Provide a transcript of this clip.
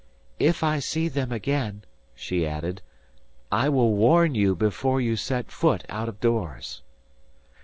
"If I see them again," she added, "I will warn you before you set foot out of doors."